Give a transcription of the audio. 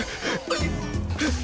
えっ！